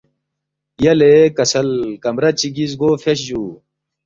“ یلے کسل کمرہ چِگی زگو فیس جُو